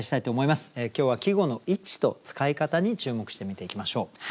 今日は季語の位置と使い方に注目して見ていきましょう。